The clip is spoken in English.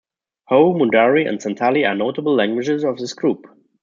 Ho, Mundari, and Santali are notable languages of this group.